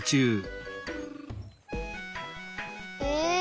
え？